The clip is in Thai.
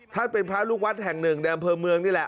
เป็นพระลูกวัดแห่งหนึ่งในอำเภอเมืองนี่แหละ